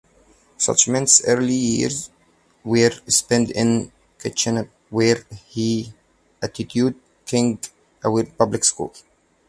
Schmidt's early years were spent in Kitchener, where he attended King Edward Public School.